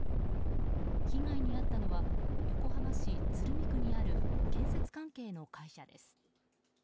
被害に遭ったのは横浜市鶴見区にある建設関係の会社です。